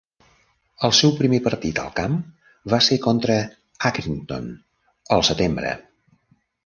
El seu primer partit al camp va ser contra Accrington el Setembre.